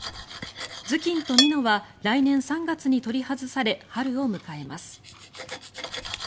頭巾とみのは来年３月に取り外され春を迎えます。